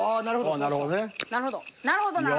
なるほど。